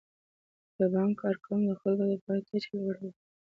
د بانک کارکوونکي د خلکو د پوهاوي کچه لوړوي.